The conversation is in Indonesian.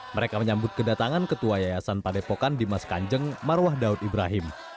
mereka menyambut kedatangan ketua yayasan padepokan dimas kanjeng marwah daud ibrahim